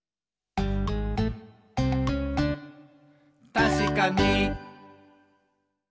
「たしかに！」